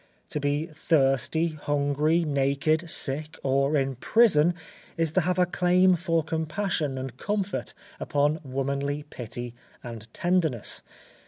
To be thirsty, hungry, naked, sick, or in prison, is to have a claim for compassion and comfort upon womanly pity and tenderness.